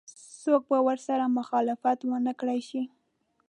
څوک به ورسره مخالفت ونه کړای شي.